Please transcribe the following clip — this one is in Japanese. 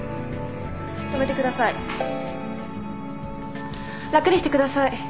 止めてください。